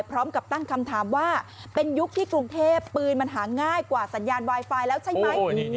พร้อมกับตั้งคำถามว่าเป็นยุคที่กรุงเทพปืนมันหาง่ายกว่าสัญญาณไวไฟแล้วใช่ไหม